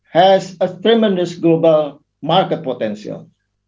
memiliki potensi pasar global yang sangat besar